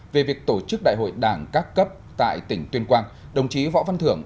về việc tổ chức đại hội đảng các cấp tại tỉnh tuyên quang đồng chí võ văn thưởng